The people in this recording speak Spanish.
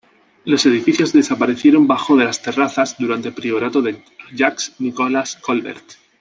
Los edificios desaparecieron bajo de las terrazas durante priorato de Jacques Nicolas Colbert.